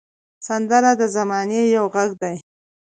سندره د زمانې یو غږ دی